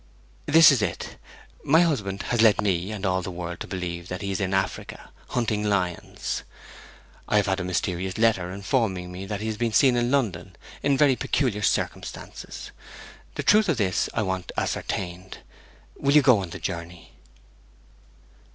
This is it: my husband has led me and all the world to believe that he is in Africa, hunting lions. I have had a mysterious letter informing me that he has been seen in London, in very peculiar circumstances. The truth of this I want ascertained. Will you go on the journey?'